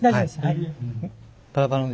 はい。